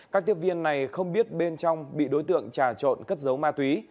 các tiếp viên này không biết bên trong bị đối tượng trà trộn cất dấu ma túy